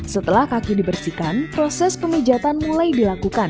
setelah kaki dibersihkan proses pemijatan mulai dilakukan